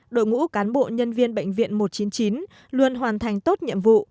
đội ngũ cán bộ nhân viên bệnh viện một trăm chín mươi chín luôn hoàn thành tốt nhiệm vụ